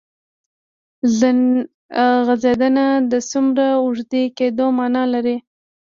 غځېدنه د څومره اوږدې کېدو معنی لري.